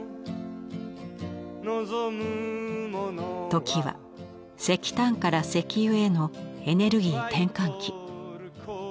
時は石炭から石油へのエネルギー転換期。